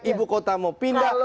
ibu kota mau pindah